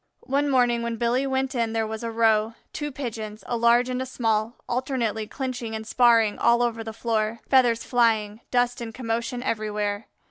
One morning when Billy went in there was a row, two Pigeons, a large and a small, alternately clinching and sparring all over the floor, feathers flying, dust and commotion everywhere.